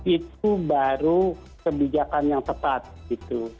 itu baru kebijakan yang tepat gitu